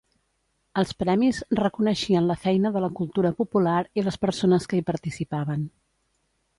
Els premis reconeixien la feina de la cultura popular i les persones que hi participaven.